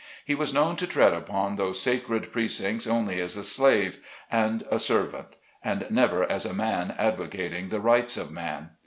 He was known to tread upon those sacred pre cincts, only as a slave and servant, and never as a man advocating the rights of man.